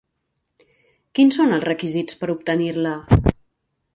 Quins són els requisits per obtenir-la?